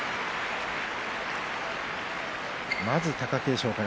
まず、貴景勝です。